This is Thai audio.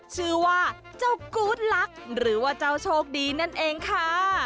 ชื่อว่าเจ้ากู๊ดลักษณ์หรือว่าเจ้าโชคดีนั่นเองค่ะ